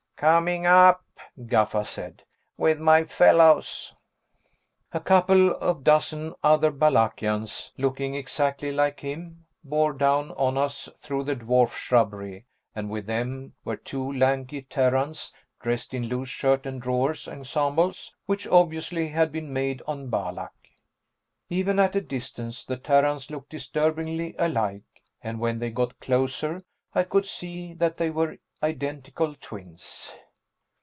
"Coming up," Gaffa said. "With my fellows." A couple of dozen other Balakians, looking exactly like him, bore down on us through the dwarf shrubbery, and with them were two lanky Terrans dressed in loose shirt and drawers ensembles which obviously had been made on Balak. Even at a distance the Terrans looked disturbingly alike, and when they got closer I could see that they were identical twins.